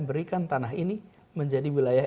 berikan tanah ini menjadi wilayah